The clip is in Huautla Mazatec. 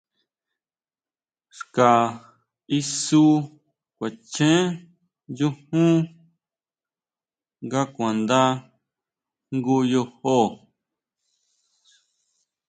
Xka isú kuachen chujun nga kuanda jngu yojo.